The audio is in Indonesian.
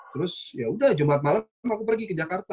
terus yaudah jumat malam aku pergi ke jakarta